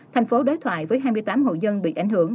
thành phố đối thoại với hai mươi tám hộ dân bị ảnh hưởng